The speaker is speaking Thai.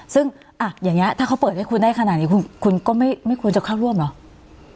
ซึ่งอย่างนี้ถ้าเขาเปิดให้คุณได้ขนาดนี้คุณก็ไม่ควรจะเข้าร่วมเหรอ